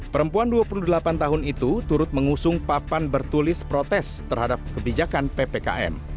perempuan dua puluh delapan tahun itu turut mengusung papan bertulis protes terhadap kebijakan ppkm